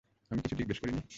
আমি কিছু জিজ্ঞেস করিনি?